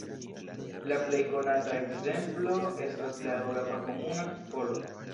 La plej konata ekzemplo estas la eŭropa Komuna kukolo.